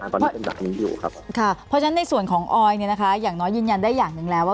เพราะฉะนั้นในส่วนของออยอย่างน้อยยืนยันได้อย่างนึงแล้ว